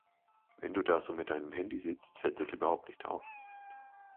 Wenn du da so mit deinem Handy sitzt, fällt das überhaupt nicht auf.